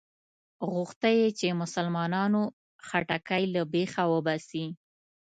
غوښته یې چې مسلمانانو خټکی له بېخه وباسي.